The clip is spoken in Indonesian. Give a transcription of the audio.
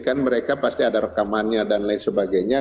kan mereka pasti ada rekamannya dan lain sebagainya